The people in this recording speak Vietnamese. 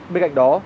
bên cạnh đó